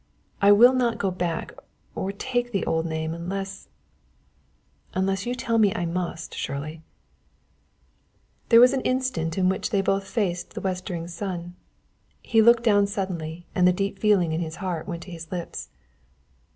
I will not go back or take the old name unless, unless you tell me I must, Shirley!" There was an instant in which they both faced the westering sun. He looked down suddenly and the deep feeling in his heart went to his lips.